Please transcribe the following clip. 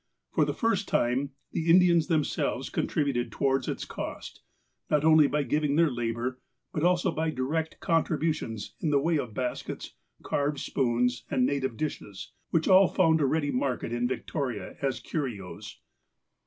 For the first time, the Indians themselves contributed towards its cost, not only by giving their labour, but also by direct contributions in the way of baskets, carved spoons, and native dishes, which all found a ready market in Victoria, as curios.